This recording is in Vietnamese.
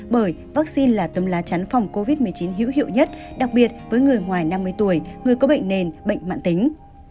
bởi vaccine là tấm lá chắn phòng covid một mươi chín hữu hiệu nhất đặc biệt với người ngoài năm mươi tuổi người có bệnh nền bệnh mạng tính